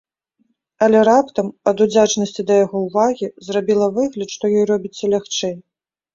Але раптам, ад удзячнасці да яго ўвагі, зрабіла выгляд, што ёй робіцца лягчэй.